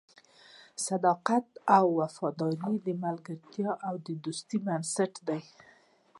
صداقت او وفاداري د ملګرتیا او دوستۍ بنسټ دی.